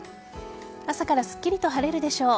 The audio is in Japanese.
朝からすっきりと晴れるでしょう。